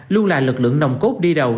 luôn là lực lượng nồng cốt đi đầu